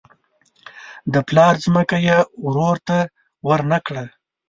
د پلار ځمکه یې ورور ته ورنه کړه.